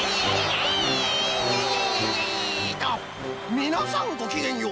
みなさんごきげんよう。